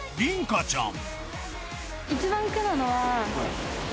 花ちゃん